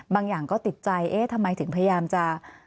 บางอย่างติดใจทำไมถึงพยายามจะ